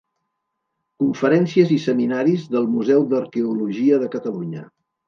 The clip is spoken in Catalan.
Conferències i seminaris del Museu d'Arqueologia de Catalunya.